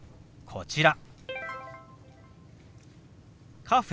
こちら。